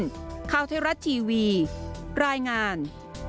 ใกล้ตัวมากขึ้นค่าวเทศรัทย์ทีวีรายงาน